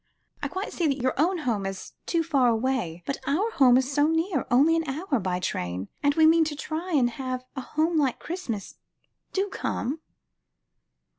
I quite see that your own home is too far away, but our home is so near, only an hour by train, and we mean to try and have a home like Christmas. Do come."